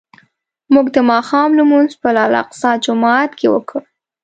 موږ د ماښام لمونځ په الاقصی جومات کې وکړ.